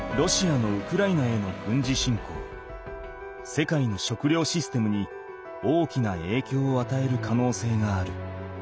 世界の食料システムに大きなえいきょうをあたえるかのうせいがある。